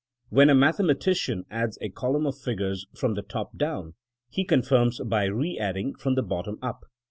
When a mathematician adds a column of figures from the top down, he confirms by re adding from the bottom up.